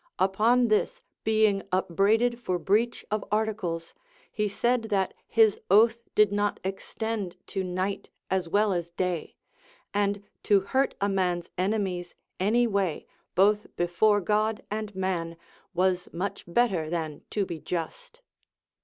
Upon this being up braided for breach of articles, he said that his oath did not extend to night as well as day, and to hurt a man's enemies any way, both before God and man, was much better than to be just.